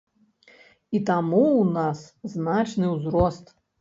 І таму ў нас значны ўзрост.